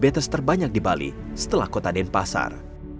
kota ini terlihat terlihat terlihat terlihat terlihat terlihat terlihat